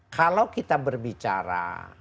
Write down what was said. kalau kita berbicara